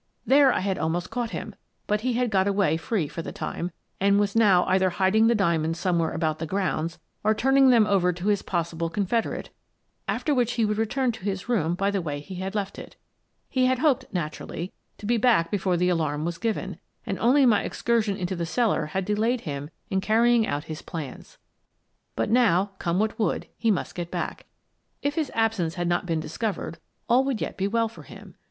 There I had almost caught him, but he had got away free for the time and was now either hiding the diamonds somewhere about the grounds, or turning them over to his possible confederate, after which he would return to his room by the way he had left it He had hoped, naturally, to be back before the alarm was given, and only my excursion into the cellar had delayed him in carrying out his plans. But now, come what would, he must get back. If his absence had not been discovered, all would yet be well for him.